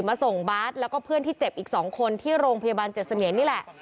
มาส่งบาสแล้วก็เพื่อนที่เจ็บอีก๒คนที่โรงพยาบาลเจ็ดเสมียนนี่แหละ